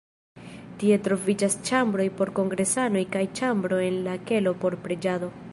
Tie troviĝas ĉambroj por kongresanoj kaj ĉambro en la kelo por preĝado.